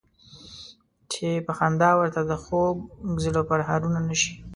چې په خندا ورته د خوږ زړه پرهارونه نه شي.